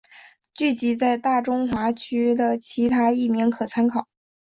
剧集在大中华区的其他译名可参考。